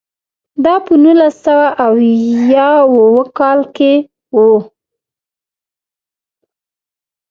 دا په نولس سوه اویاووه کال کې و.